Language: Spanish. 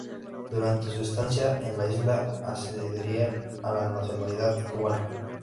Durante su estancia en la isla accedería a la nacionalidad cubana.